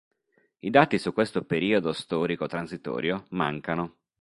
I dati su questo periodo storico transitorio mancano.